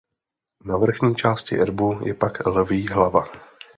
Na vrchní části erbu je pak lví hlava.